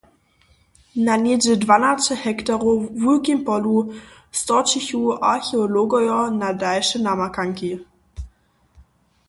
Na něhdźe dwanaće hektarow wulkim polu storčichu archeologojo na dalše namakanki.